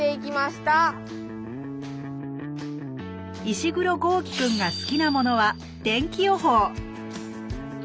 石黒豪輝くんが好きなものは天気予報